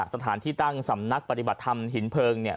สถานที่ตั้งสำนักปฏิบัติธรรมหินเพลิงเนี่ย